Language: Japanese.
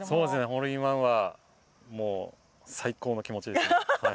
ホールインワンはもう、最高の気持ちですね。